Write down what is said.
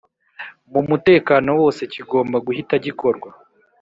mu mutekano wose kigomba guhita gikorwa